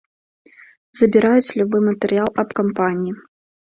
Забіраюць любы матэрыял аб кампаніі.